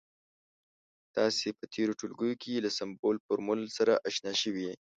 تاسې په تیرو ټولګیو کې له سمبول، فورمول سره اشنا شوي يئ.